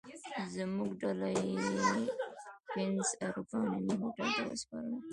زموږ ډله یې کېنز اروپا نومي هوټل ته وسپارله.